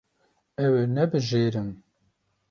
Ew ê nebijêrin.